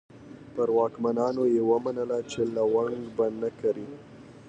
پر واکمنانو یې ومنله چې لونګ به نه کري.